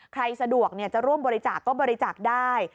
สะดวกจะร่วมบริจาคก็บริจาคได้